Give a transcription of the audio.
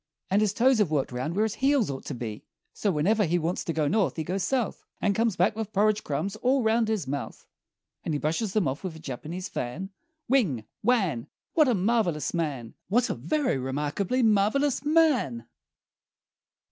And his toes have worked round where his heels ought to be. So whenever he wants to go North he goes South, And comes back with porridge crumbs all round his mouth, And he brushes them off with a Japanese fan, Whing! Whann! What a marvelous man! What a very remarkably marvelous man!